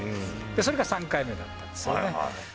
それが３回目だったんですよね。